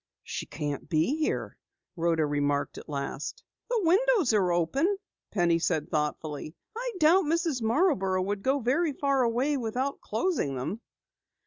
"She can't be here," Rhoda remarked at last. "The windows are open," Penny said thoughtfully. "I doubt that Mrs. Marborough would go very far away without closing them."